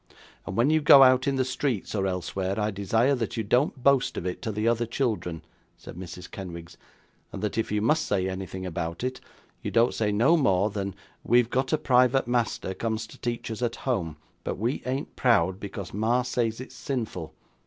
'And when you go out in the streets, or elsewhere, I desire that you don't boast of it to the other children,' said Mrs. Kenwigs; 'and that if you must say anything about it, you don't say no more than "We've got a private master comes to teach us at home, but we ain't proud, because ma says it's sinful."